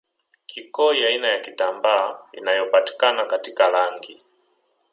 kikoi aina ya kitambaa inayopatikana katika rangi